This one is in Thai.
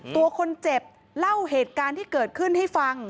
ตัวคนเจ็บเล่าเหตุการณ์ที่เกิดขึ้นให้ฟัง